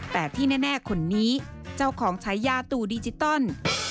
แต่ที่แน่คนนี้เจ้าของใช้ยาตู่ดิจิตอล